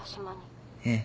ええ。